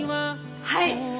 はい！